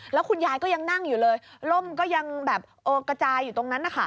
แล้วคุณยายก็ยังนั่งอยู่เลยล้มก็ยังกระจายอยู่ตรงนั้น